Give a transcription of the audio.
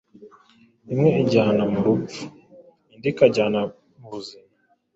imwe ijyana mu rupfu, indi ikajyana mu buzima.